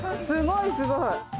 すごい、すごい。